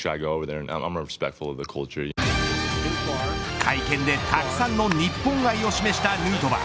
会見でたくさんの日本愛を示したヌートバー。